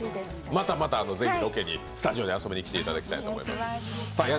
またまたぜひロケに、スタジオに遊びに来ていただきたいと思います。